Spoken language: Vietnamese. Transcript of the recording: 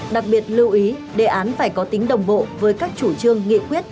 đặc biệt lưu ý đề án phải có tính đồng bộ với các chủ trương nghị quyết